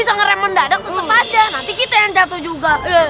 yang mendadak tetep aja nanti kita yang jatuh juga